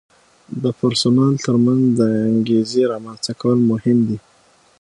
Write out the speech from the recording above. د پرسونل ترمنځ د انګیزې رامنځته کول مهم دي.